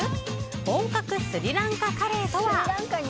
本格スリランカカレーとは。